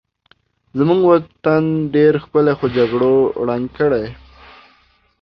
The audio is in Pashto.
زمونږ وطن ډېر ښکلی خو جګړو ړنګ کړی